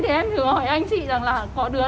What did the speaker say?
thì em thử hỏi anh chị rằng là có đứa